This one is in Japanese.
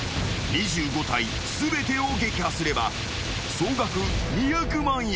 ［２５体全てを撃破すれば総額２００万円］